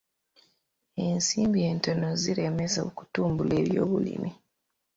Ensimbi entono ziremesa okutumbula ebyobulimi.